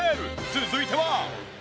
続いては。